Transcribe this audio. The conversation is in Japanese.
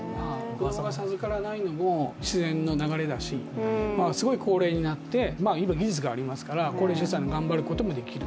子供が授からないのも自然の流れだし、高齢になっても今、技術がありますから高齢出産も頑張ることができる。